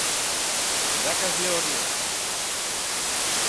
Irakasle horiek: